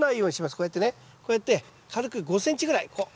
こうやってねこうやって軽く５ｃｍぐらいこう。